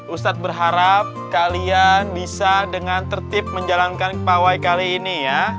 ustadz berharap kalian bisa dengan tertib menjalankan pawai kali ini ya